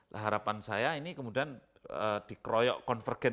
nah harapan saya ini kemudian dikeroyok konvergen